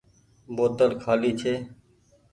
بوتل کآلي ڇي۔